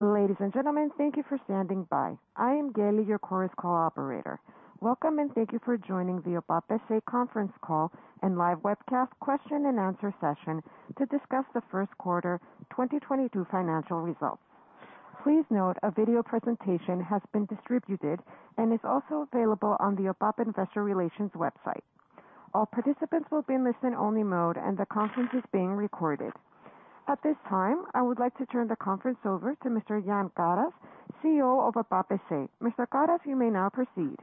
Ladies and gentlemen, thank you for standing by. I am Geli, your Chorus Call operator. Welcome and thank you for joining the OPAP S.A. conference call and live webcast question and answer session to discuss the first quarter 2022 financial results. Please note a video presentation has been distributed and is also available on the OPAP investor relations website. All participants will be in listen-only mode and the conference is being recorded. At this time, I would like to turn the conference over to Mr. Jan Karas, CEO of OPAP S.A. Mr. Karas, you may now proceed.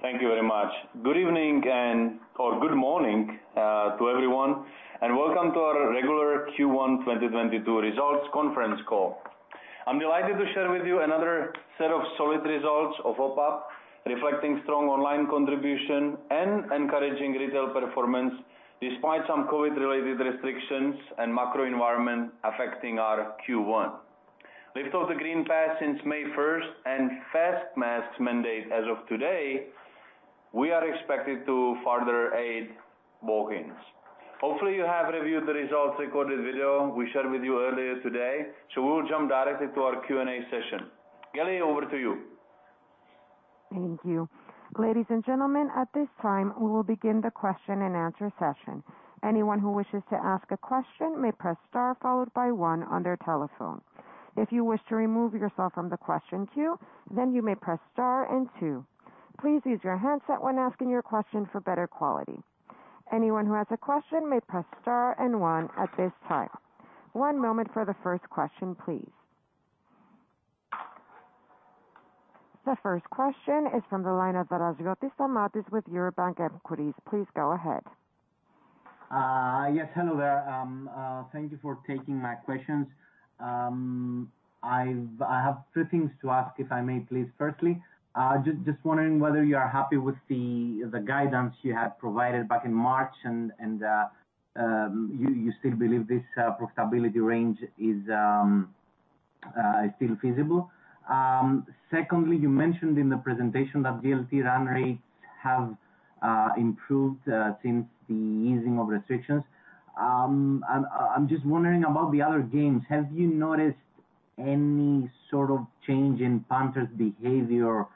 Thank you very much. Good evening and/or good morning to everyone, and welcome to our regular Q1 2022 results conference call. I'm delighted to share with you another set of solid results of OPAP, reflecting strong online contribution and encouraging retail performance despite some COVID-related restrictions and macro environment affecting our Q1. Lift of the green pass since May 1 and face masks mandate as of today, we are expected to further aid bookings. Hopefully, you have reviewed the results recorded video we shared with you earlier today. We will jump directly to our Q&A session. Geli, over to you. Thank you. Ladies and gentlemen, at this time, we will begin the question and answer session. Anyone who wishes to ask a question may press star followed by one on their telephone. If you wish to remove yourself from the question queue, then you may press star and two. Please use your headset when asking your question for better quality. Anyone who has a question may press star and one at this time. One moment for the first question, please. The first question is from the line of Stamatios Draziotis with Eurobank Equities. Please go ahead. Yes, hello there. Thank you for taking my questions. I have three things to ask, if I may please. Firstly, just wondering whether you are happy with the guidance you had provided back in March and you still believe this profitability range is still feasible. Secondly, you mentioned in the presentation that VLT run rates have improved since the easing of restrictions. I'm just wondering about the other games. Have you noticed any sort of change in punters behavior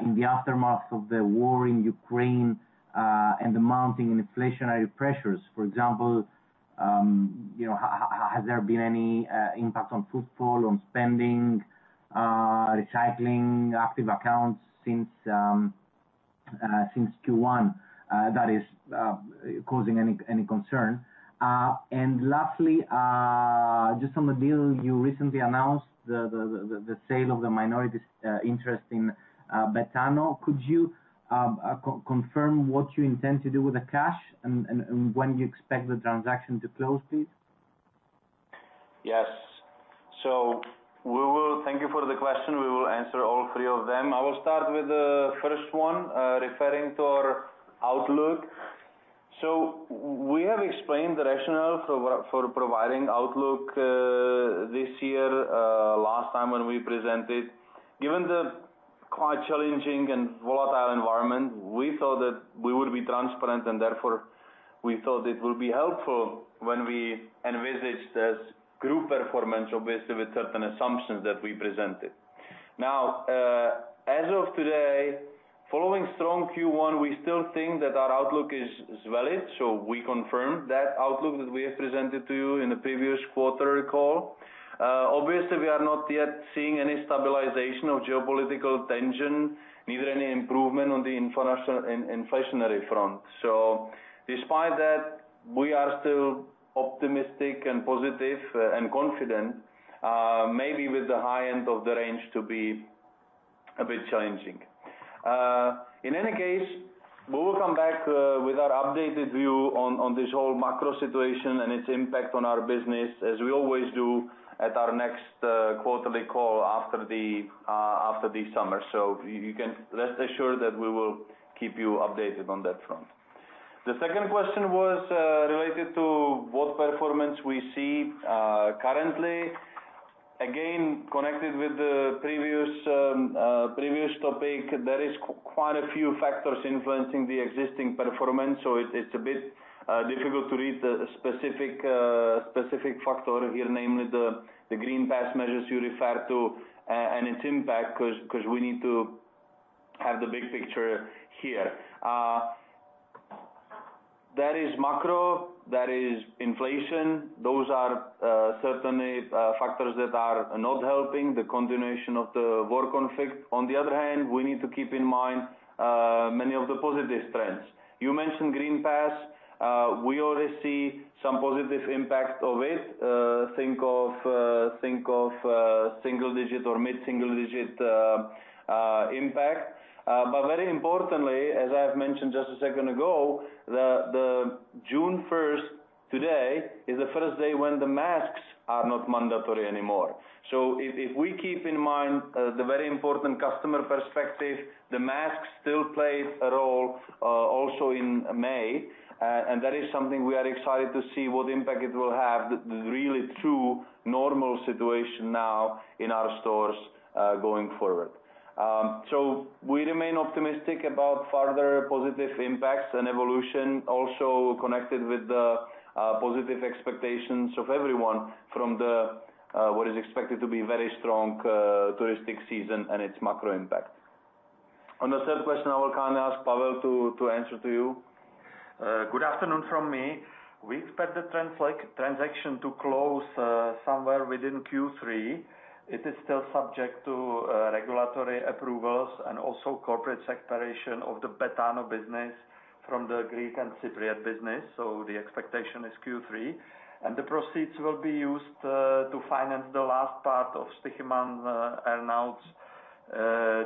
in the aftermath of the war in Ukraine and the mounting inflationary pressures? For example, you know, has there been any impact on football, on spending, recycling active accounts since Q1, that is, causing any concern? Lastly, just on the deal you recently announced, the sale of the minority interest in Betano, could you confirm what you intend to do with the cash and when you expect the transaction to close, please? Yes. Thank you for the question. We will answer all three of them. I will start with the first one, referring to our outlook. We have explained the rationale for providing outlook this year last time when we presented. Given the quite challenging and volatile environment, we thought that we would be transparent and therefore we thought it will be helpful when we envisaged as group performance, obviously with certain assumptions that we presented. Now, as of today, following strong Q1, we still think that our outlook is valid. We confirm that outlook that we have presented to you in the previous quarterly call. Obviously, we are not yet seeing any stabilization of geopolitical tension, neither any improvement on the inflationary front. Despite that, we are still optimistic and positive and confident, maybe with the high end of the range to be a bit challenging. In any case, we will come back with our updated view on this whole macro situation and its impact on our business, as we always do at our next quarterly call after the summer. You can rest assured that we will keep you updated on that front. The second question was related to what performance we see currently. Again, connected with the previous topic, there is quite a few factors influencing the existing performance, so it's a bit difficult to read the specific factor here, namely the green pass measures you refer to and its impact, 'cause we need to have the big picture here. There is macro, there is inflation. Those are certainly factors that are not helping the continuation of the war conflict. On the other hand, we need to keep in mind many of the positive trends. You mentioned green pass. We already see some positive impact of it. Think of single digit or mid-single digit impact. Very importantly, as I have mentioned just a second ago, June first, today, is the first day when the masks are not mandatory anymore. If we keep in mind the very important customer perspective, the masks still played a role also in May, and that is something we are excited to see what impact it will have, the really true normal situation now in our stores going forward. We remain optimistic about further positive impacts and evolution also connected with the positive expectations of everyone from the what is expected to be very strong touristic season and its macro impact. On the third question, I will kindly ask Pavel to answer to you. Good afternoon from me. We expect the transaction to close somewhere within Q3. It is still subject to regulatory approvals and also corporate separation of the Betano business from the Greek and Cypriot business, so the expectation is Q3. The proceeds will be used to finance the last part of Stoiximan earn-outs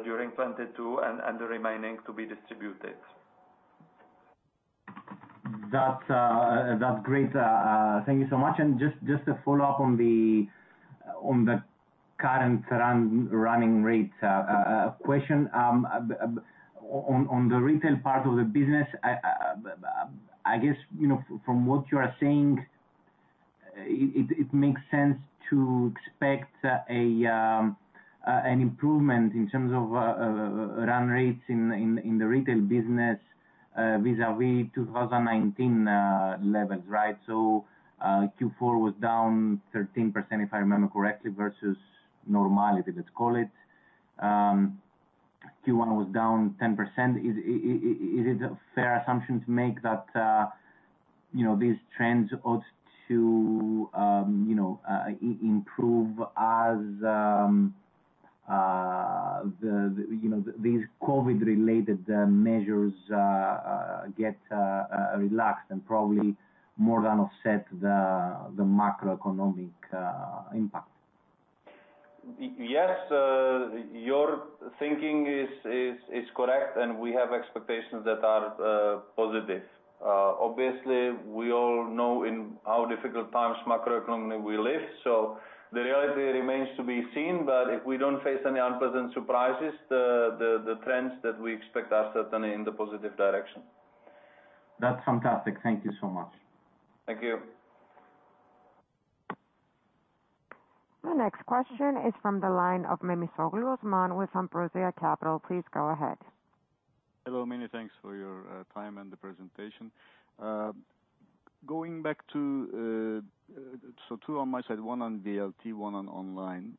during 2022 and the remaining to be distributed. That's great. Thank you so much. Just to follow up on the current running rates question. On the retail part of the business, I guess, you know, from what you are saying, it makes sense to expect an improvement in terms of run rates in the retail business vis-à-vis 2019 levels, right? Q4 was down 13%, if I remember correctly, versus normality, let's call it. Q1 was down 10%. Is it a fair assumption to make that, you know, these trends ought to, you know, improve as, you know, these COVID related measures get relaxed and probably more than offset the macroeconomic impact? Yes. Your thinking is correct, and we have expectations that are positive. Obviously, we all know in how difficult times macroeconomy we live, so the reality remains to be seen, but if we don't face any unpleasant surprises, the trends that we expect are certainly in the positive direction. That's fantastic. Thank you so much. Thank you. The next question is from the line of Osman Memisoglu with Ambrosia Capital. Please go ahead. Hello, many thanks for your time and the presentation. Going back to so two on my side, one on VLT, one on online.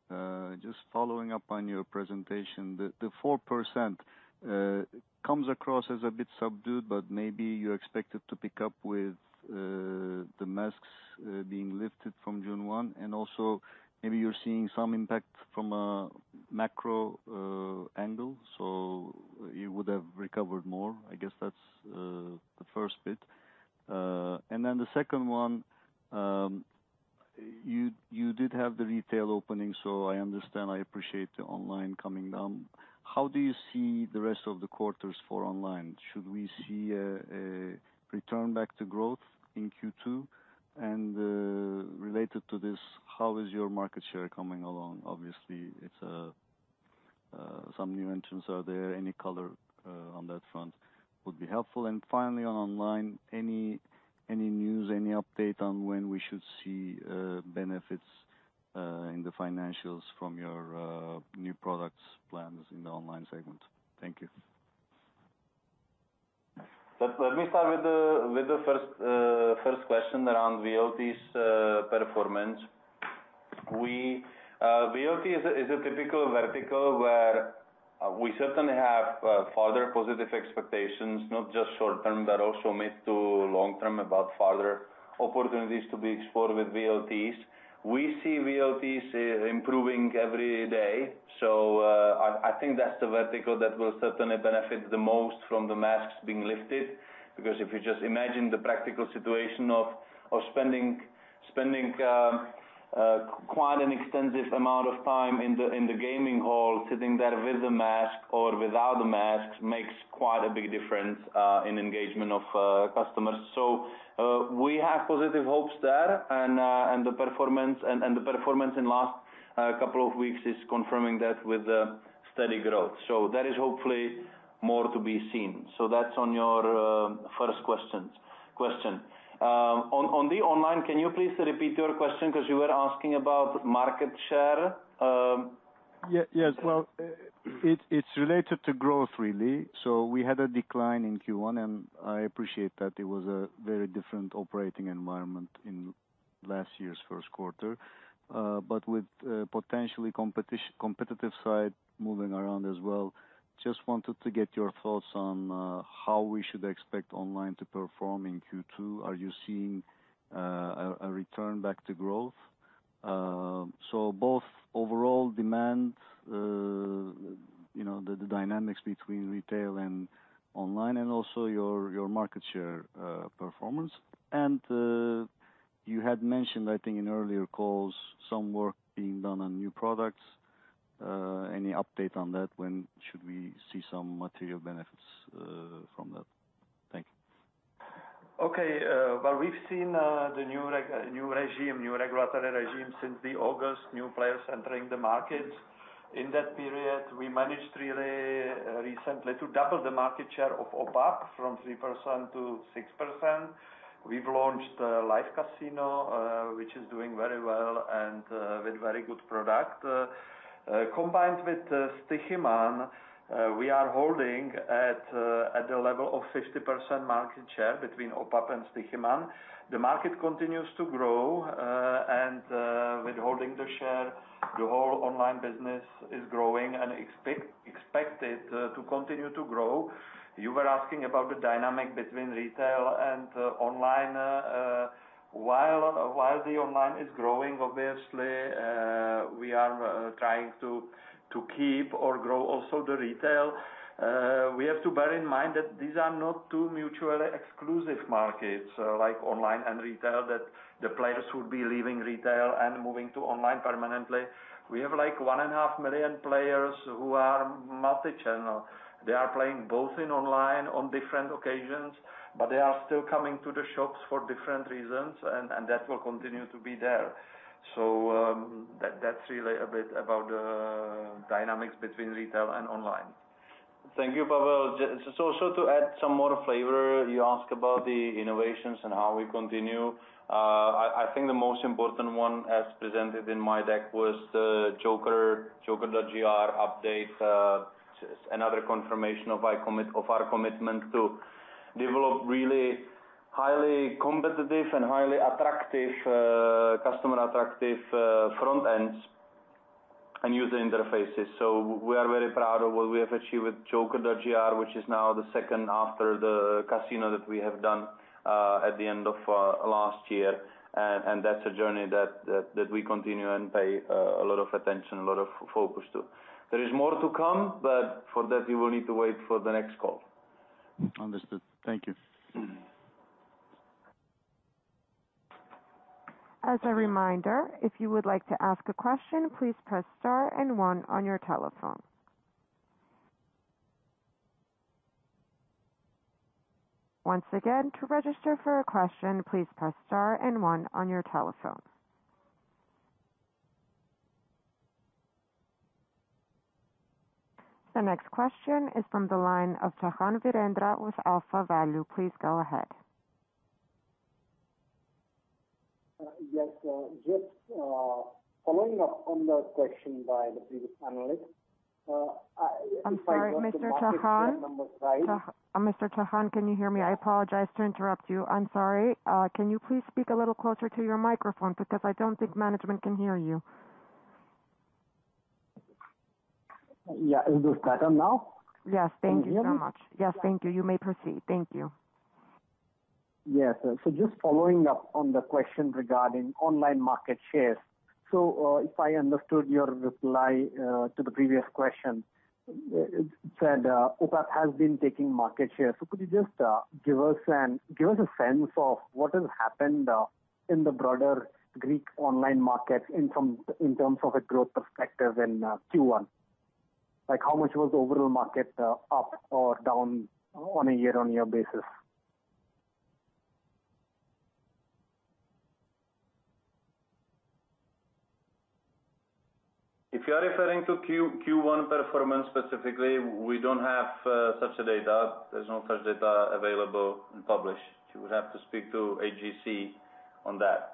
Just following up on your presentation, the 4% comes across as a bit subdued, but maybe you expect it to pick up with the masks being lifted from June 1, and also maybe you're seeing some impact from a macro angle, so you would have recovered more. I guess that's the first bit. The second one, you did have the retail opening, so I understand, I appreciate the online coming down. How do you see the rest of the quarters for online? Should we see a return back to growth in Q2? Related to this, how is your market share coming along? Obviously, it's some new entrants are there. Any color on that front would be helpful. Finally, on online, any news, any update on when we should see benefits in the financials from your new products plans in the online segment? Thank you. Let me start with the first question around VLTs performance. VLT is a typical vertical where we certainly have further positive expectations, not just short-term, but also mid to long-term, about further opportunities to be explored with VLTs. We see VLTs improving every day. I think that's the vertical that will certainly benefit the most from the masks being lifted. Because if you just imagine the practical situation of spending quite an extensive amount of time in the gaming hall, sitting there with a mask or without a mask, makes quite a big difference in engagement of customers. We have positive hopes there, and the performance in last couple of weeks is confirming that with a steady growth. There is hopefully more to be seen. That's on your first question. On the online, can you please repeat your question? 'Cause you were asking about market share. Yes. Well, it's related to growth, really. We had a decline in Q1, and I appreciate that it was a very different operating environment in last year's first quarter. With potentially competitive side moving around as well, just wanted to get your thoughts on how we should expect online to perform in Q2. Are you seeing a return back to growth? Both overall demand, you know, the dynamics between retail and online and also your market share performance. You had mentioned, I think, in earlier calls, some work being done on new products. Any update on that? When should we see some material benefits from that? Thank you. Well, we've seen the new regulatory regime since August, new players entering the market. In that period, we managed really- Recently to double the market share of OPAP from 3-6%. We've launched live casino, which is doing very well and with very good product. Combined with Stoiximan, we are holding at the level of 50% market share between OPAP and Stoiximan. The market continues to grow, and with holding the share, the whole online business is growing and expected to continue to grow. You were asking about the dynamic between retail and online. While the online is growing, obviously, we are trying to keep or grow also the retail. We have to bear in mind that these are not two mutually exclusive markets, like online and retail, that the players would be leaving retail and moving to online permanently. We have, like, 1.5 million players who are multichannel. They are playing both in online on different occasions, but they are still coming to the shops for different reasons and that will continue to be there. That's really a bit about the dynamics between retail and online. Thank you, Pavel. To add some more flavor, you ask about the innovations and how we continue. I think the most important one, as presented in my deck, was the JOKER.gr update. Another confirmation of our commitment to develop really highly competitive and highly attractive customer-attractive front ends and user interfaces. We are very proud of what we have achieved with JOKER.gr, which is now the second after the casino that we have done at the end of last year. That's a journey that we continue and pay a lot of attention, a lot of focus to. There is more to come, but for that you will need to wait for the next call. Understood. Thank you. As a reminder, if you would like to ask a question, please press star and one on your telephone. Once again, to register for a question, please press star and one on your telephone. The next question is from the line of Virendra Chauhan with AlphaValue. Please go ahead. Yes, just following up on the question by the previous analyst. I'm sorry, Mr. Chauhan. Mr. Chauhan, can you hear me? I apologize to interrupt you. I'm sorry. Can you please speak a little closer to your microphone? Because I don't think management can hear you. Yeah. Is this better now? Yes. Thank you so much. Can you hear me? Yes, thank you. You may proceed. Thank you. Yes. Just following up on the question regarding online market shares. If I understood your reply to the previous question, it said, OPAP has been taking market share. Could you just give us a sense of what has happened in the broader Greek online market in terms of a growth perspective in Q1? Like, how much was the overall market up or down on a year-on-year basis? If you are referring to Q1 performance specifically, we don't have such a data. There's no such data available and published. You would have to speak to EEEP on that.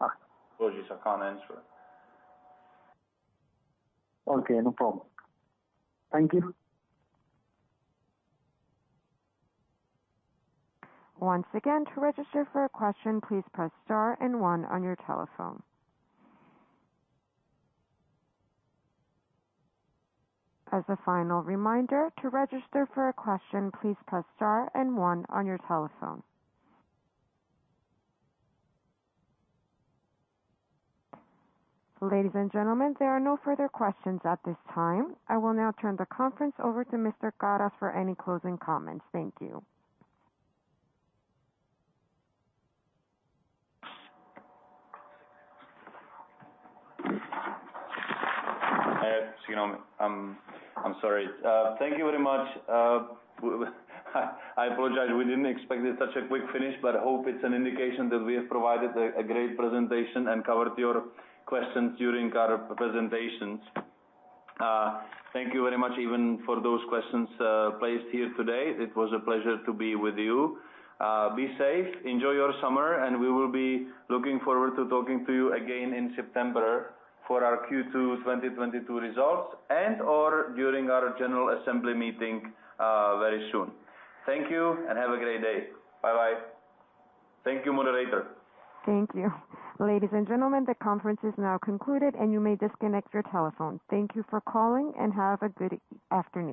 Ah. Apologies, I can't answer. Okay, no problem. Thank you. Once again, to register for a question, please press star and one on your telephone. As a final reminder, to register for a question, please press star and one on your telephone. Ladies and gentlemen, there are no further questions at this time. I will now turn the conference over to Mr. Karas for any closing comments. Thank you. You know, I'm sorry. Thank you very much. I apologize, we didn't expect such a quick finish, but hope it's an indication that we have provided a great presentation and covered your questions during our presentations. Thank you very much even for those questions placed here today. It was a pleasure to be with you. Be safe, enjoy your summer, and we will be looking forward to talking to you again in September for our Q2 2022 results and/or during our general assembly meeting very soon. Thank you and have a great day. Bye-bye. Thank you, moderator. Thank you. Ladies and gentlemen, the conference is now concluded and you may disconnect your telephone. Thank you for calling and have a good afternoon.